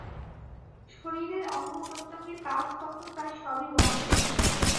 শরীরের অঙ্গ-প্রত্যঙ্গের কাজ তখন প্রায় সবই বন্ধ।